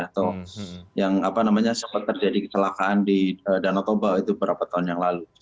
atau yang sempat terjadi kecelakaan di danau toba itu berapa tahun yang lalu